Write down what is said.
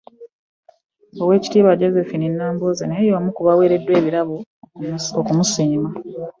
Oweekitiibwa Josephine Nambooze naye y'omu ku baaweereddwa ebirabo okubasiima.